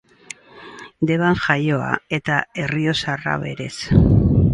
Deban jaioa, eta errioxarra berez.